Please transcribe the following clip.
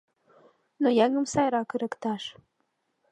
Но еҥым сайрак ырыкташ.